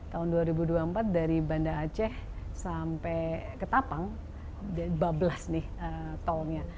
tahun dua ribu dua puluh empat dari banda aceh sampai ke tapang dua belas nih tolnya